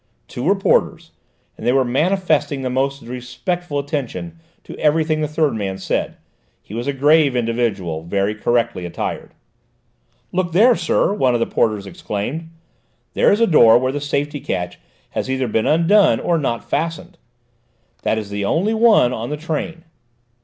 Two were porters, and they were manifesting the most respectful attention to everything the third man said: he was a grave individual, very correctly attired. "Look there, sir," one of the porters exclaimed; "there is a door where the safety catch has either been undone or not fastened; that is the only one on the train."